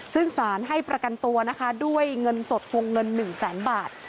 ซึ่งสารให้ประกันตัวด้วยเงินสดฮวงเงิน๑๐๐๐๐๐บาท